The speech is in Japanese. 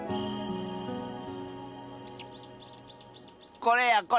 これやこれ。